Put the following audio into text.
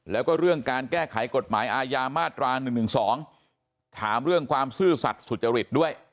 แล้วก็เรื่องการแก้ไขกฎหมายอาญามาตรา๑๑๒ถามเรื่องความซื่อสัตว์สุจริตด้วย